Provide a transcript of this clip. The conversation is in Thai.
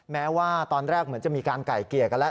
แม้ว่าตอนแรกเหมือนจะมีการไก่เกลี่ยกันแล้ว